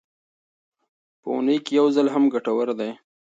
په اونۍ کې یو ځل هم ګټور دی.